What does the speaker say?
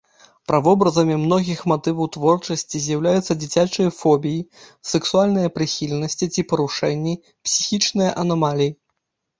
Правобразамі многіх матываў творчасці з'яўляюцца дзіцячыя фобіі, сэксуальныя прыхільнасці ці парушэнні, псіхічныя анамаліі.